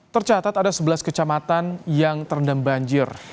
tercatat ada sebelas kecamatan yang terendam banjir